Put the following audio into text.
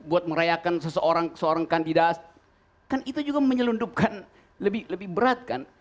buat merayakan seseorang seorang kandidat kan itu juga menyelundupkan lebih berat kan